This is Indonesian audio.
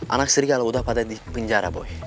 anak seri kalau udah pada di penjara boy